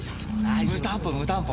無担保無担保。